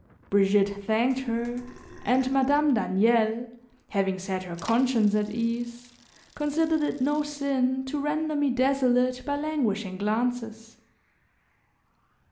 Brigitte thanked her, and Madame Daniel, having set her conscience at ease, considered it no sin to render me desolate by languishing glances.